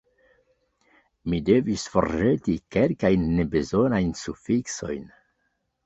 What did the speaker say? Mi devis forĵeti kelkajn nebezonajn sufiksojn.